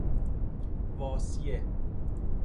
واصیه